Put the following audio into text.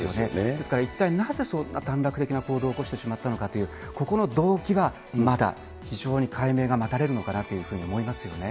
ですから、一体なぜそんな短絡的な行動を起こしてしまったのかという、ここの動機は、まだ非常に解明が待たれるのかなというふうに思いますよね。